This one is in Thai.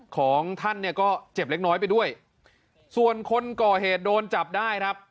ของท่านเนี่ยก็เจ็บเล็กน้อยไปด้วยส่วนคนก่อเหตุโดนจับได้ครับ